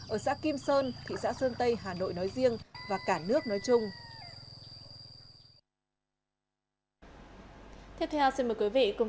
ở xã kim sơn thị xã sơn tây hà nội nói riêng và cả nước nói chung